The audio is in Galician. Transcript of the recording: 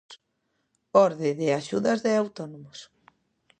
Orde de axudas de autónomos.